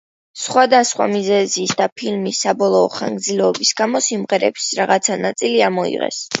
სხვადასხვა მიზეზის და ფილმის საბოლოო ხანგრძლივობის გამო, სიმღერების რაღაც ნაწილი ამოიღეს.